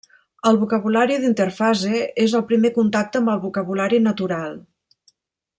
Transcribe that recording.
El vocabulari d'interfase és el primer contacte amb el vocabulari natural.